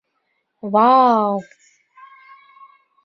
Вау!